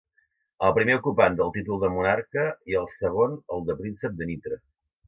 El primer ocupant el títol de monarca i el segon el de príncep de Nitra.